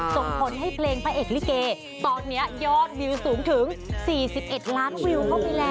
ส่งผลให้เพลงพระเอกลิเกตอนนี้ยอดวิวสูงถึง๔๑ล้านวิวเข้าไปแล้ว